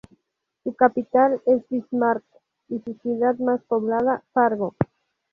Su capital es Bismarck y su ciudad más poblada, Fargo.